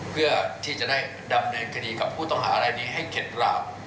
เพื่อที่จะได้ดำเนินคดีกับผู้ต้องหาอะไรนี้ให้เข็ดราม